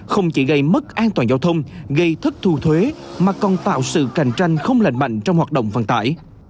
không chỉ gây mất an toàn giao thông gây thất thu thuế mà còn tạo sự cạnh tranh không lành mạnh trong hoạt động vận tải